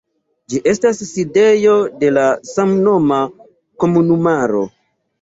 Ĝi estas sidejo de la samnoma komunumaro.